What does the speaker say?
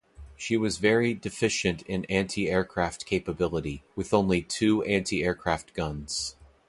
She was very deficient in anti-aircraft capability, with only two anti-aircraft guns.